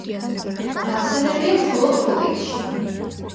ნახსენებია მხოლოდ „ჰობიტში“.